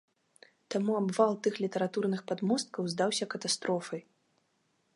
Таму абвал тых літаратурных падмосткаў здаўся катастрофай.